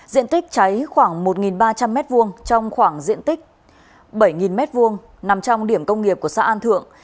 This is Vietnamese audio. diện tích cháy khoảng một ba trăm linh m hai trong khoảng diện tích bảy m hai nằm trong điểm công nghiệp của xã an thượng